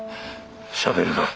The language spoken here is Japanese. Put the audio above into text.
しゃべるな。